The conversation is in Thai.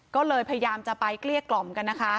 ก็เลยพยายามจะไปเกลี้ยกล่อมกันนะคะ